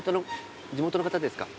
地元の方ですか？